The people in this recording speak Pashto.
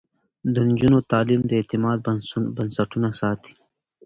د نجونو تعليم د اعتماد بنسټونه ساتي.